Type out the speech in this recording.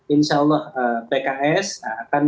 insyaallah pks akan